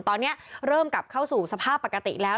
ตอนนี้เริ่มกลับเข้าสู่สภาพปกติแล้ว